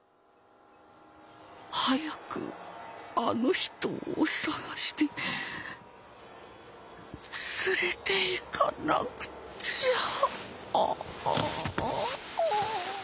「早くあの人を捜して連れていかなくちゃ。ああ」。